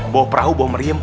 bawa perahu bawa meriem